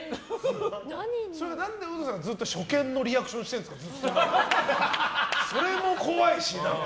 何でウドさん初見のリアクションしてるんですか？